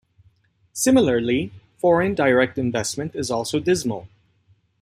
Similarly, foreign direct investment is also dismal.